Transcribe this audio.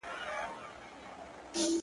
له مودو ستا د دوستی یمه لېواله!!